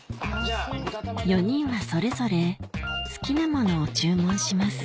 ４人はそれぞれ好きなものを注文します